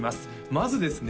まずですね